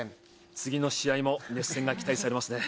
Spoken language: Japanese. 次の試合も熱戦が期待されますね。